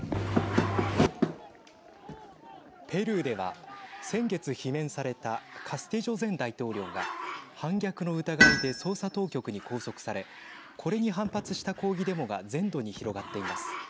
ペルーでは、先月罷免されたカスティジョ前大統領が反逆の疑いで捜査当局に拘束されこれに反発した抗議デモが全土に広がっています。